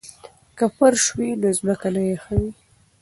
که فرش وي نو ځمکه نه یخوي.